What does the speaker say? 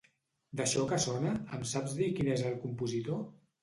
D'això que sona, em saps dir qui n'és el compositor?